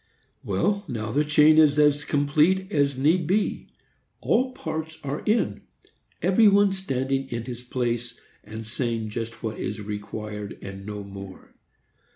Well, now the chain is as complete as need be. All parts are in; every one standing in his place, and saying just what is required, and no more.